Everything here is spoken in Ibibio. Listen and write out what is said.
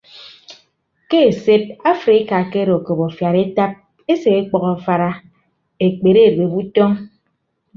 Ke esed afrika akedo okop afiad etap ese ọkpʌk afara ekpere edueb utọñ.